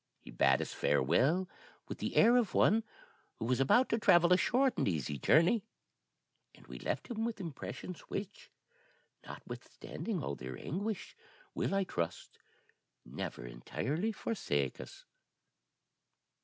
He bade us farewell with the air of one who was about to travel a short and easy journey; and we left him with impressions which, notwithstanding all their anguish, will, I trust, never entirely forsake us.